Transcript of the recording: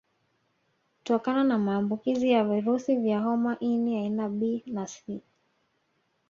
Hutokana na maambukizi ya virusi vya homa ini aina B na C